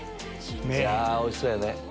うわおいしそうやね。